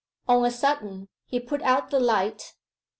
On a sudden he put out the light.